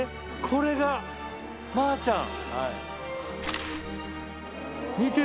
これがまーちゃん。